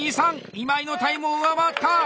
今井のタイムを上回った！